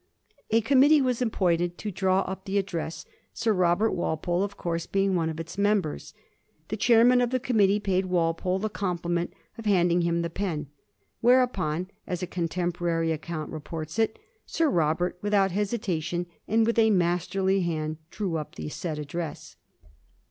^ A com mittee was appointed to draw up the address, Sir Robert Walpole, of course, being one of its members. The chairman of the committee paid Walpole the compliment of handing him the pen, * whereupon,' as a contemporary account reports it, * Sir Robert, wth out hesitation, and with a masterly hand, drew up the said address.'